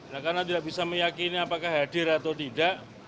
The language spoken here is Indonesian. nah karena tidak bisa meyakini apakah hadir atau tidak